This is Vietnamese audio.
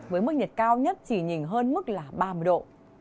với mức nhiệt cao nhất chỉ nhìn hơn mức là ba mươi độ